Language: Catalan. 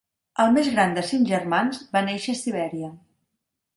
El més gran de cinc germans, va néixer a Sibèria.